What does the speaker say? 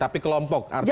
tapi kelompok artinya